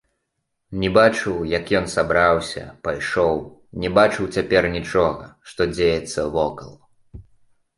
Не бачыў, як ён сабраўся, пайшоў, не бачыў цяпер нічога, што дзеецца вокал.